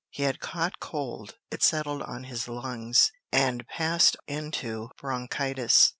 He had caught cold: it settled on his lungs, and passed into bronchitis.